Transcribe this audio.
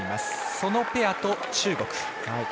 そのペアと、中国。